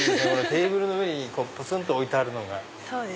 テーブルの上にぽつんと置いてあるのが。